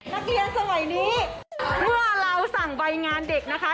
นักเรียนสมัยนี้เมื่อเราสั่งใบงานเด็กนะคะ